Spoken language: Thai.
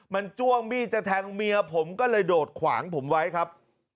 มันจ้วงมีดจะแทงเมียผมก็เลยโดดขวางผมไว้ครับ